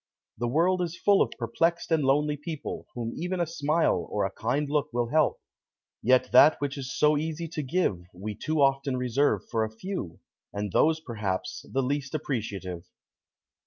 The world is full of perplexed and lonely people whom even a smile or a kind look will help. Yet that which is so easy to give we too often reserve for a few, and those perhaps the least appreciative.